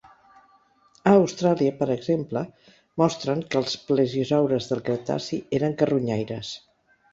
A Austràlia, per exemple, mostren que els plesiosaures del cretaci eren carronyaires.